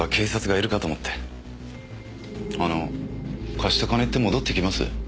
あの貸した金って戻ってきます？